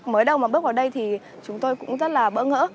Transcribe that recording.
mới đầu mà bước vào đây thì chúng tôi cũng rất là bỡ ngỡ